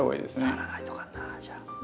やらないといかんなじゃあ。